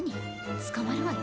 捕まるわよ。